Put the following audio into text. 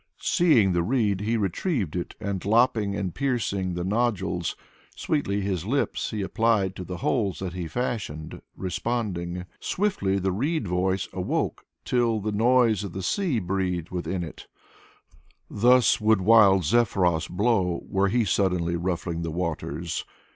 Seeing the reed, he retrieved it, and lopping and piercing the nodules. Sweetly his lips he applied to the holes that he fashioned : responding. Swiftly the reed voice awoke, till the noise of the sea breathed within it; Thus would wild Zephyros blow, were he suddenly ruffling the waters.